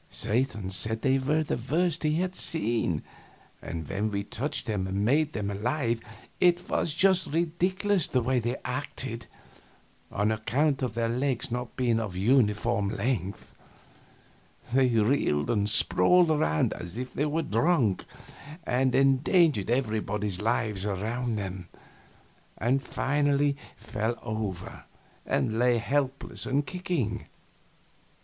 Satan said they were the worst he had seen; and when he touched them and made them alive, it was just ridiculous the way they acted, on account of their legs not being of uniform lengths. They reeled and sprawled around as if they were drunk, and endangered everybody's lives around them, and finally fell over and lay helpless and kicking.